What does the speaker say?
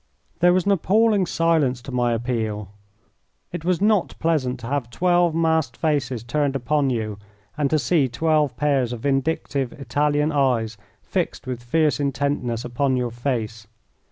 There was an appalling silence to my appeal. It was not pleasant to have twelve masked faces turned upon you and to see twelve pairs of vindictive Italian eyes fixed with fierce intentness upon your face.